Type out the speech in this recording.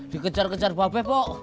dikejar kejar babe pok